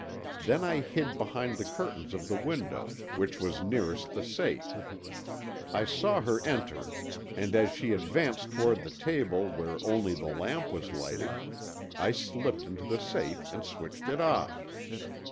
Then I hid behind the curtains of the window, which was nearest the safe. I saw her enter, and as she advanced toward the table where only the lamp was lighted, I slipped into the safe and switched it off.